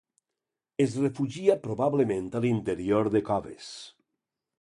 Es refugia probablement a l'interior de coves.